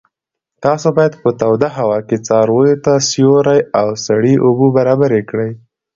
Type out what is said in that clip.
تاسو باید په توده هوا کې څارویو ته سیوری او سړې اوبه برابرې کړئ.